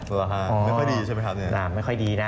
เหรอครับไม่ค่อยดีใช่ไหมครับเนี่ยครับไม่ค่อยดีนะ